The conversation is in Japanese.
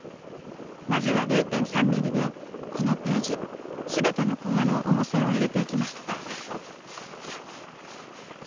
まずは０．３ミリでこのページ全てのコマの主線を入れていきます。